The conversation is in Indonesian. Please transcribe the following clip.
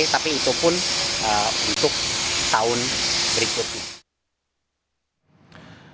tapi itu pun untuk tahun berikutnya